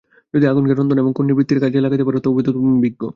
যদি আগুনকে রন্ধন এবং ক্ষুন্নিবৃত্তির কাজে লাগাইতে পার তো তুমি বিজ্ঞ।